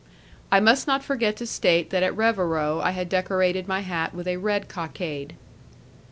I must not forget to state that at Revero I had decorated my hat with a red cockade.